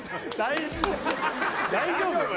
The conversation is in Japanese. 大丈夫？